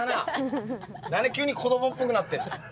何で急に子供っぽくなってんだ。